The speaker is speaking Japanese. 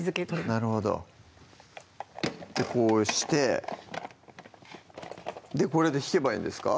なるほどこうしてこれで引けばいいんですか？